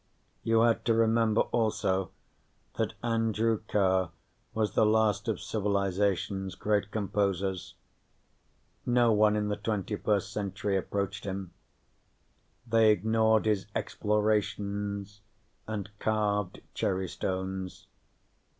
You had to remember also that Andrew Carr was the last of civilization's great composers. No one in the 21st century approached him they ignored his explorations and carved cherry stones.